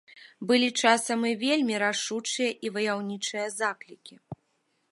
Былі часам і вельмі рашучыя і ваяўнічыя заклікі.